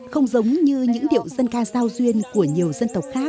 không giống như những điệu dân ca giao duyên của nhiều dân tộc khác